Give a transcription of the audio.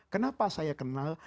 kenapa saya kenal